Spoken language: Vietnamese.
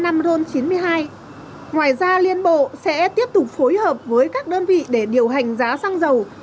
ngoài ra liên bộ sẽ tiếp tục phối hợp với các đơn vị để điều hành giá xăng dầu